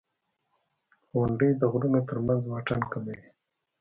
• غونډۍ د غرونو تر منځ واټن کموي.